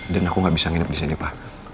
dan aku gak bisa nginep disini pa